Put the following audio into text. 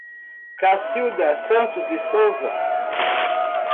Cacilda Santos de Souza